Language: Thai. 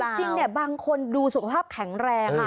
เพราะจริงเนี่ยบางคนดูสภาพแข็งแรง